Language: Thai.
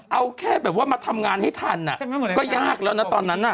เอาแค่แบบว่ามาทำงานให้ทันก็ยากแล้วนะตอนนั้นน่ะ